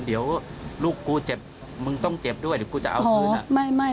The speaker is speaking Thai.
เดี๋ยวลูกกูเจ็บมึงต้องเจ็บด้วยเดี๋ยวกูจะเอาคืน